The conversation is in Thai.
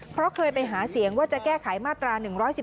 เพราะเคยไปหาเสียงว่าจะแก้ไขมาตรา๑๑๒